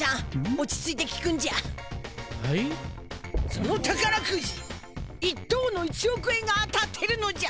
その宝くじ１等の１おく円が当たってるのじゃ！